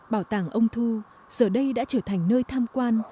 bảo tàng ông thu giờ đây đã trở thành nơi tham quan